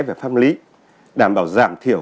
về pháp lý đảm bảo giảm thiểu